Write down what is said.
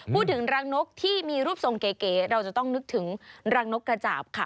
พูดถึงรังนกที่มีรูปทรงเก๋เราจะต้องนึกถึงรังนกกระจาบค่ะ